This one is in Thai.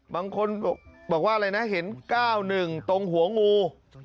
บางคนบอกว่าเห็น๙เลข๑ตรงหัวงู